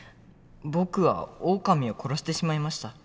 僕はオオカミを殺してしまいました。